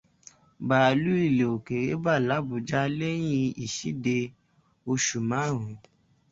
Bàálù ilẹ̀ òkèèrè bà l'Ábùjá léyìn ìṣéde oṣù márùn-ún.